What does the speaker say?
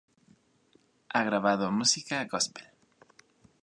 Ha grabado música gospel.